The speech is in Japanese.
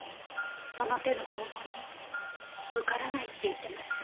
その手の公募に受からないって言ってました。